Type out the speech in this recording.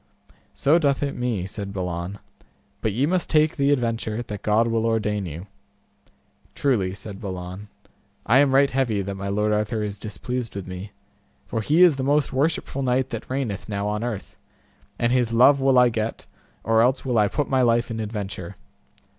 So doth it me, said Balan, but ye must take the adventure that God will ordain you. Truly, said Balin, I am right heavy that my Lord Arthur is displeased with me, for he is the most worshipful knight that reigneth now on earth, and his love will I get or else will I put my life in adventure.